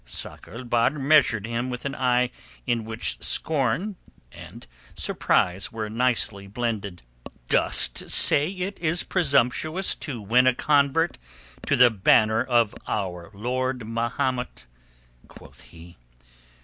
Sakr el Bahr measured him with an eye in which scorn and surprise were nicely blended. "Dost say that it is presumptuous to win a convert to the banner of Our Lord Mahomet?" quoth he.